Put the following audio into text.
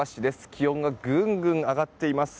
気温がぐんぐん上がっています。